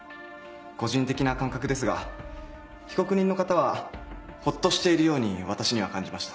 個人的な感覚ですが被告人の方はホッとしているように私には感じました。